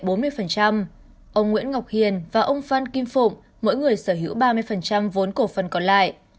ông nguyễn ngọc hiền và ông phan kim phụng mỗi người sở hữu ba mươi vốn cổ phần còn lại